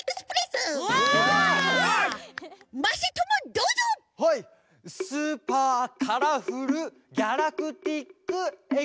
スーパーカラフルギャラクティックエクス。